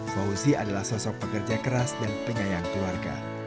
fauzi adalah sosok pekerja keras dan penyayang keluarga